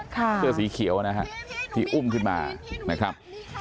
เสื้อสีเขียวนะฮะที่อุ้มขึ้นมานะครับ